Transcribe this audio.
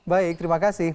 baik terima kasih